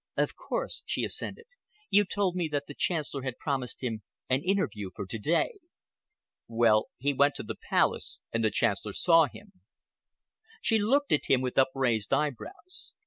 "Of course," she assented. "You told me that the Chancellor had promised him an interview for to day." "Well, he went to the Palace and the Chancellor saw him." She looked at him with upraised eyebrows.